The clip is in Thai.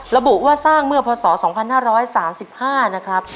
ระบุว่าสร้างเมื่อพศ๒๕๓๕นะครับ